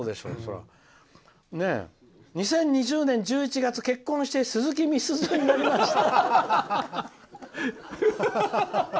２０２０年１１月、結婚してすずきみすずになりました」。